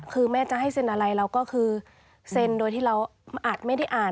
คือแม่จะให้เซ็นอะไรเราก็คือเซ็นโดยที่เราอาจไม่ได้อ่าน